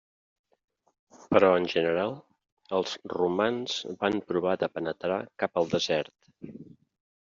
Però en general els romans va provar de penetrar cap al desert.